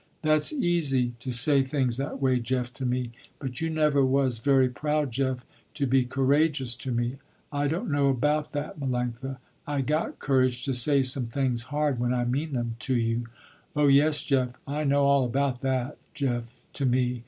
"That's easy, to say things that way, Jeff to me. But you never was very proud Jeff, to be courageous to me." "I don't know about that Melanctha. I got courage to say some things hard, when I mean them, to you." "Oh, yes, Jeff, I know all about that, Jeff, to me.